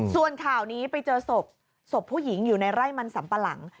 ส่วนข่าวนี้ไปเจอศพศพผู้หญิงอยู่ในไร่มันสัมปะหลัง